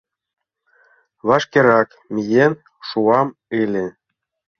Вашкерак миен шуам ыле.